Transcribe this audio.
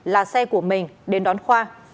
là xe của mình đến đón khoa